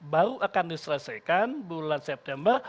baru akan diselesaikan bulan september